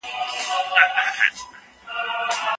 یوه ورځ به ټول علوم دلته راټول سي.